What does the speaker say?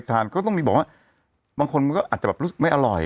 ทานก็ต้องมีบอกว่าบางคนมันก็อาจจะแบบรู้สึกไม่อร่อย